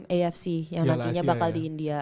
afc yang nantinya bakal di india